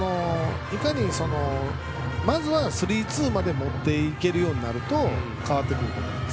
まずはスリーツーまで持っていけるようになると変わってくると思います。